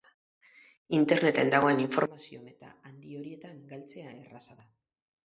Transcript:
Interneten dagoen informazio-meta handi horietan galtzea erraza da.